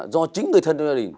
do chính người thân trong gia đình